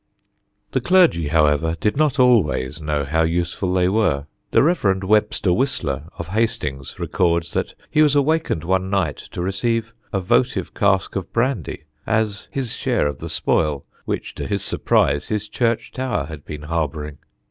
The clergy, however, did not always know how useful they were. The Rev. Webster Whistler, of Hastings, records that he was awakened one night to receive a votive cask of brandy as his share of the spoil which, to his surprise, his church tower had been harbouring.